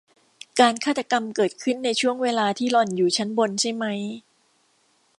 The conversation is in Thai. การฆาตกรรมเกิดขึ้นในช่วงเวลาที่หล่อนอยู่ชั้นบนใช่มั้ย